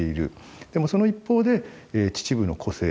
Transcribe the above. でもその一方で秩父の個性